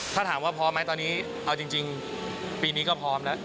ถ้าถามว่าพร้อมไหมตอนนี้เอาจริงปีนี้ก็พร้อมแล้ว